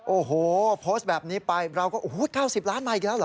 โอ้โหโพสต์แบบนี้ไปเราก็โอ้โห๙๐ล้านมาอีกแล้วเหรอ